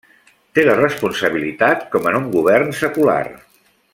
Té la responsabilitat, com en un govern secular.